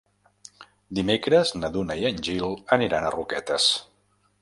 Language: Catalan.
Dimecres na Duna i en Gil aniran a Roquetes.